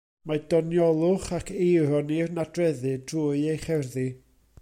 Mae doniolwch ac eironi'n nadreddu drwy ei cherddi.